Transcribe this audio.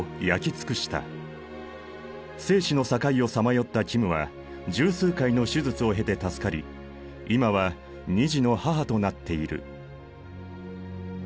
生死の境をさまよったキムは十数回の手術を経て助かり今は２児の母となっている。